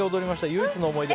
唯一の思い出。